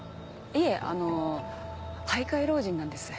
いえあの徘徊老人なんです。